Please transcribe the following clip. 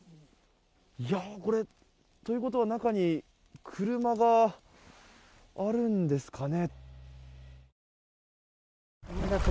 これ、ということは中に車があるんですかね？